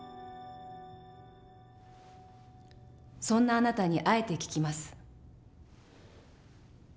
そんなあなたにあえて聞きます。